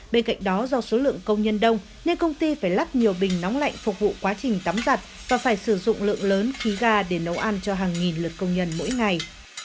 bên cạnh đó do số lượng công nhân đông nên công ty phải lắp nhiều bình nóng lạnh phục vụ quá trình tắm giặt và phải sử dụng lượng lớn khí ga để nấu ăn cho hàng nghìn lượt công nhân mỗi ngày